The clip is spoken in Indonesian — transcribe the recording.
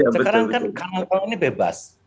sekarang kan kanal kanal ini bebas